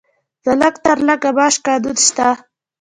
د لږ تر لږه معاش قانون شته؟